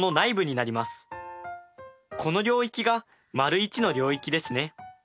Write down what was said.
それではこの領域が②の領域ですね。